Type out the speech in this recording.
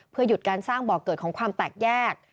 เพื่อหยุดการสร้างบ่อเกิดของความแตกแยก